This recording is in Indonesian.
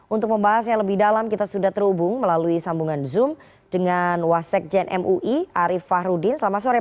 untuk membahasnya lebih dalam kita sudah terhubung melalui sambungan zoom dengan wasekjen mui arief fahruddin